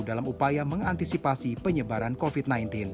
dalam upaya mengantisipasi penyebaran covid sembilan belas